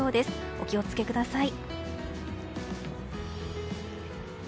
お気を付けください。